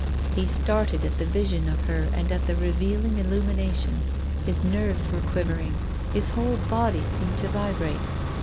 He started at the vision of her and at the revealing illumination. His nerves were quivering. His whole body seemed to vi brate.